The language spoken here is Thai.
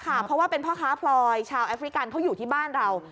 เพราะว่าเป็นพ่อค้าพลอยชาวแอฟริกันเขาอยู่ที่บ้านเรา